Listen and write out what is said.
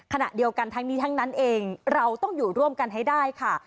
ขณะเดียวกันทั้งนี้ทั้งนั้นเองเราต้องอยู่ร่วมกันให้ได้ค่ะ